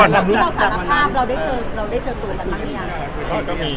เราได้เจอตัวเหมือนกันยังไง